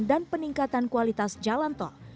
dan peningkatan kualitas jalan tol